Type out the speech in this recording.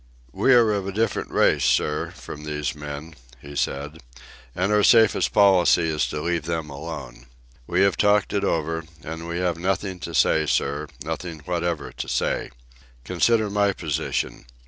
"We are of a different race, sir, from these men," he said; "and our safest policy is to leave them alone. We have talked it over, and we have nothing to say, sir, nothing whatever to say. Consider my position.